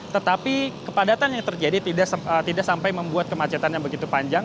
tetapi kepadatan yang terjadi tidak sampai membuat kemacetan yang begitu panjang